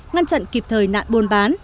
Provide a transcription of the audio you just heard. ngăn chặn kịp thời nạn bôn bán